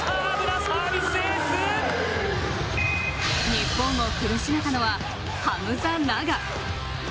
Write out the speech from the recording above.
日本を苦しめたのはハムザ・ナガ。